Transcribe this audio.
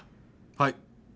はい。